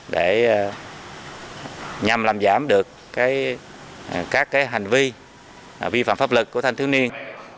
để nhằm làm giảm được các hành vi vi phạm pháp lực của thanh thiếu niên